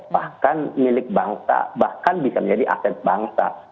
bahkan milik bangsa bahkan bisa menjadi aset bangsa